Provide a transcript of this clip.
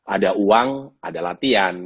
ada uang ada latihan